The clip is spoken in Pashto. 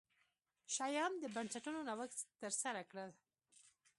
شیام د بنسټونو نوښت ترسره کړل.